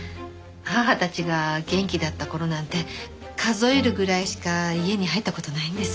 義母たちが元気だった頃なんて数えるぐらいしか家に入った事ないんです。